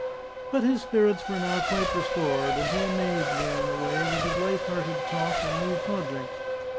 But his spirits were now quite restored; and he amazed me, on the way, with his light hearted talk and new projects.